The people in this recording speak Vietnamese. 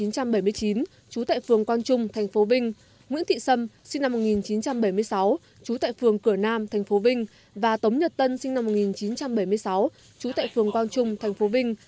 trú tại phường quang trung tp vinh nguyễn thị sâm sinh năm một nghìn chín trăm bảy mươi sáu trú tại phường cửa nam thành phố vinh và tống nhật tân sinh năm một nghìn chín trăm bảy mươi sáu trú tại phường quang trung thành phố vinh